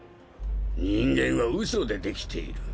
人間はうそでできている。